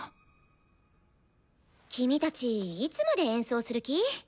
君たちいつまで演奏する気？